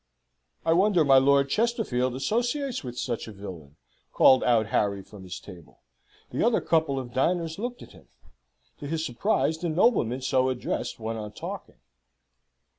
"I wonder my Lord Chesterfield associates with such a villain!" called out Harry from his table. The other couple of diners looked at him. To his surprise the nobleman so addressed went on talking.